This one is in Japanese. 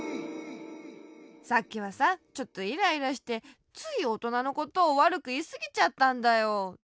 さっきはさちょっとイライラしてついおとなのことをわるくいいすぎちゃったんだよ。